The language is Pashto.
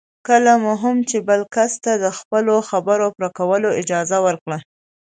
کله مو هم چې بل کس ته د خپلو خبرو پوره کولو اجازه ورکړه.